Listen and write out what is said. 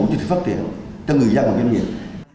thì phải phát triển cho người dân và doanh nghiệp